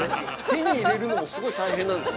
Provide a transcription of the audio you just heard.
◆手に入れるのも、すごい大変なんです。